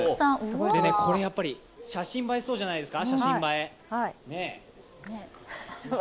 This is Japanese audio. これやっぱり、写真映えしそうじゃないですか。